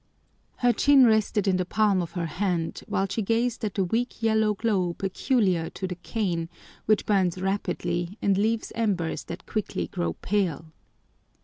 Her chin rested in the palm of her hand while she gazed at the weak yellow glow peculiar to the cane, which burns rapidly and leaves embers that quickly grow pale.